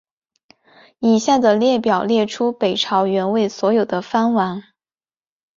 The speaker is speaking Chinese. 以下的列表列出北朝元魏所有的藩王。